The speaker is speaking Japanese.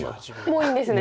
もういいんですね。